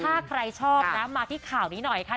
ถ้าใครชอบนะมาที่ข่าวนี้หน่อยค่ะ